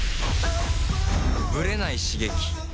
ブレない刺激